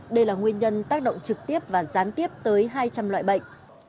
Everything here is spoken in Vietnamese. đây là nguyên nhân tác động trực tiếp và gián tiếp tới hai trăm linh loại bệnh